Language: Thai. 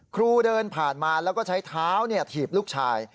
ครูเดินผ่านมาแล้วก็ใช้เท้าถีบลูกชาย